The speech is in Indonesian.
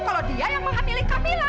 kalau dia yang menghamili kamila